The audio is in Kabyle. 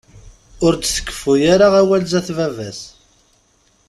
Ur d-tkeffu ara awal zdat baba-s.